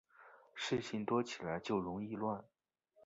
事情多起来就容易乱